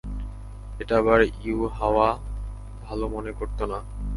এটা আবার ইউহাওয়া ভালো মনে করত না।